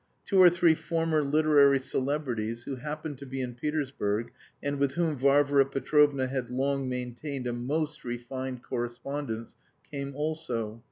Two or three former literary celebrities who happened to be in Petersburg, and with whom Varvara Petrovna had long maintained a most refined correspondence, came also.